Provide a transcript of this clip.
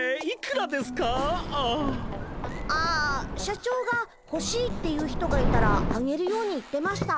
ああ社長がほしいって言う人がいたらあげるように言ってました。